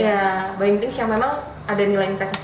iya buying things yang memang ada nilai infeksi